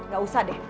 gak usah deh